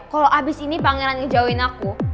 kalau abis ini pangeran ngejauhin aku